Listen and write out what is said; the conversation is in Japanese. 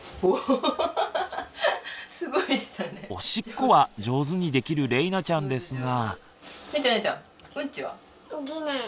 おしっこは上手にできるれいなちゃんですが。